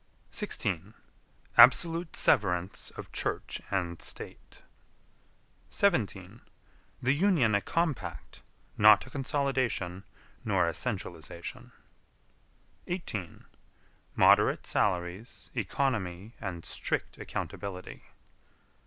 16. Absolute severance of Church and State. 17. The Union a compact not a consolidation nor a centralization. 18. Moderate salaries, economy and strict accountability.